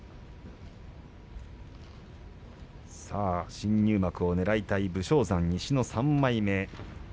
新入幕をねらいたい武将山西の３枚目。